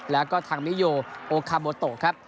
แล้วก็ทางมิโยโอคาโมโตครับ